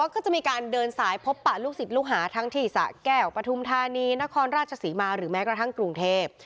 ก็จะมีการเดินสายพบปะลูกศิษย์ลูกหาทั้งที่สะแก้วปฐุมธานีนครราชศรีมาหรือแม้กระทั่งกรุงเทพ